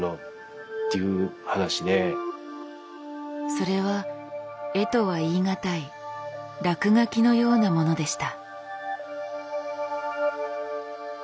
それは絵とは言い難い落書きのようなものでした。